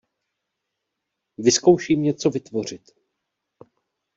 Vyzkouším něco vytvořit.